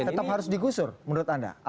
tetap harus digusur menurut anda atau tidak